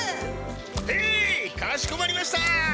へいかしこまりました！